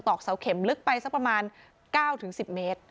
ตอกเสาเข็มลึกไปสักประมาณเก้าถึงสิบเมตร